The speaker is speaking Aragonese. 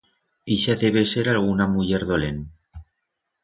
Ixa debe ser alguna muller dolent.